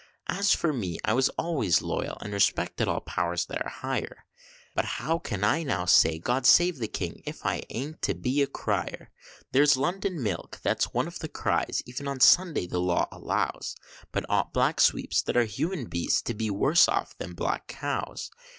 As for me I was always loyal, and respected all powers that are higher, But how can I now say God save the King, if I ain't to be a Cryer? There's London milk, that's one of the cries, even on Sunday the law allows, But ought black sweeps, that are human beasts, to be worser off than black cows?